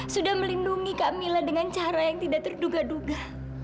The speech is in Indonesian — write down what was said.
sudah melindungi kamila dengan cara yang tidak terduga duga